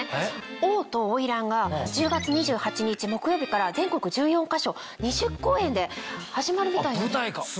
『王と花魁』が１０月２８日木曜日から全国１４か所２０公演で始まるみたいなんです。